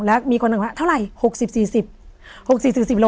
แล้วมีคนออกมาว่าเท่าไหร่๖๐๔๐